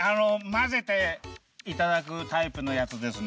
まぜていただくタイプのやつですね。